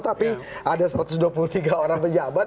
tapi ada satu ratus dua puluh tiga orang pejabat